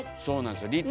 そうなんですよ